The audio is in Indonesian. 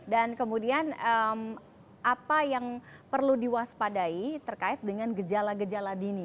dan kemudian apa yang perlu diwaspadai terkait dengan gejala gejala dini